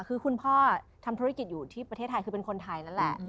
คือคุณพ่อทำธุรกิจอยู่ที่ประเทศไทยคือเป็นคนไทยนั่นแหละ